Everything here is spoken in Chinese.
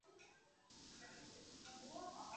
麟德元年遥领单于大都护。